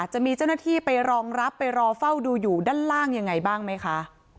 จะมีเจ้าหน้าที่ไปรองรับไปรอเฝ้าดูอยู่ด้านล่างยังไงบ้างไหมคะ